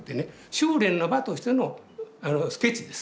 修練の場としてのスケッチです。